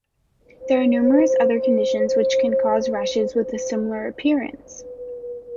There are numerous other conditions which can cause rashes with a similar appearance.